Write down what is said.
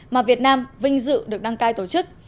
mà việt nam vinh dự được đăng cai tổ chức